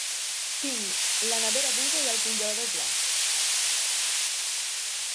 Tinc la nevera buida i el congelador ple